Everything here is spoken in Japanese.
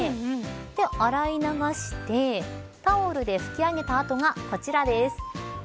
で、洗い流して、タオルで拭き上げた後がこちらです。